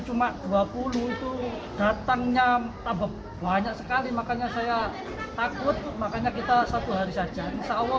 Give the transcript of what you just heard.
cuma dua puluh itu datangnya tabek banyak sekali makanya saya takut makanya kita satu hari saja insyaallah